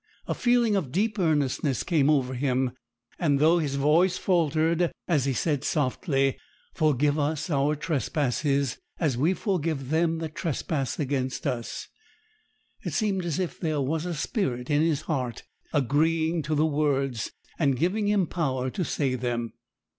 A feeling of deep earnestness came over him; and, though his voice faltered as he said softly, 'Forgive us our trespasses, as we forgive them that trespass against us,' it seemed as if there was a spirit in his heart agreeing to the words, and giving him power to say them.